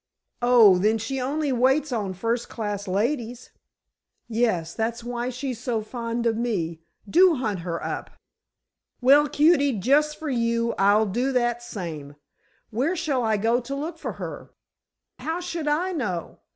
"Oh, then she only waits on first class ladies?" "Yes; that's why she's so fond of me. Do hunt her up." "Well, cutie, just for you, I'll do that same. Where shall I go to look for her?" "How should I know?